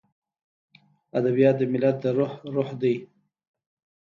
ادبیات د ملت د روح روح دی.